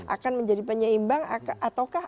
akan menjadi penyeimbang ataukah